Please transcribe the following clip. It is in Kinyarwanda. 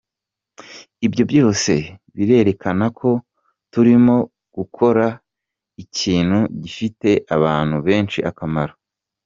Ibyo byose birerekana ko turimo gukora ikintu gifitiye abantu benshi akamaro.